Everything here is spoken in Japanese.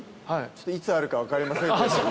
いつあるか分かりませんけども。